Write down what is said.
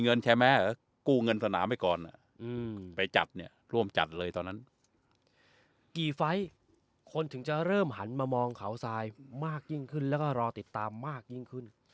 แชร์แม้กู้เงินสนามไปก่อนไปจัดเนี่ยร่วมจัดเลยตอนนั้นกี่ไฟล์คนถึงจะเริ่มหันมามองเขาทรายมากยิ่งขึ้นแล้วก็รอติดตามมากยิ่งขึ้น